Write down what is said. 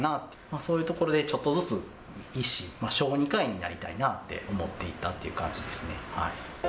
そういうところで、ちょっとずつ医師、小児科医になりたいなと思っていったっていう感じですね。